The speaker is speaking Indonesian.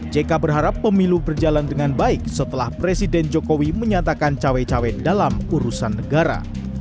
jk berharap pemilu berjalan dengan baik setelah presiden jokowi menyatakan cawe cawe dalam urusan negara